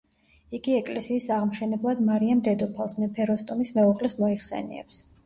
იგი ეკლესიის აღმშენებლად მარიამ დედოფალს, მეფე როსტომის მეუღლეს მოიხსენიებს.